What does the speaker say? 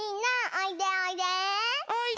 おいで！